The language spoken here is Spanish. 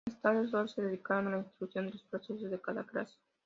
Más tarde, sólo se dedicaron a la instrucción de los procesos de esta clase.